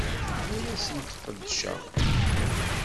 Ur asent-d-qeddceɣ.